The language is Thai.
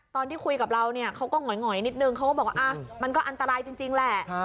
ตอนที่คุยกับเราเนี่ยเขาก็หงอยนิดนึงเขาก็บอกว่ามันก็อันตรายจริงแหละ